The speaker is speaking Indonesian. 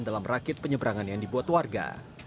dalam rakit penyeberangan yang dibuat warga